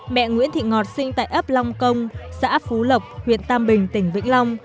mẹ nguyễn thị ngọt sinh tại ấp long công xã phú lộc huyện tam bình tỉnh vĩnh long